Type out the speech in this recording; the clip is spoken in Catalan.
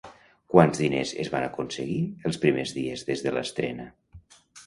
Quants diners es van aconseguir els primers dies des de l'estrena?